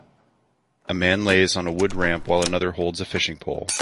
A man lays on a wood ramp while another holds a fishing pole.